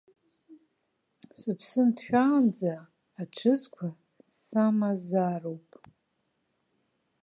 Сыԥсы нҭшәаанӡа аҽызқәа самазароуп.